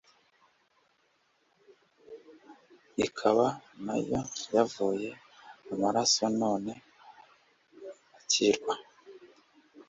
ikaba nayo yavuye amaraso none ikirwa